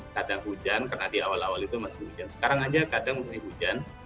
kadang hujan karena di awal awal itu masih hujan sekarang aja kadang masih hujan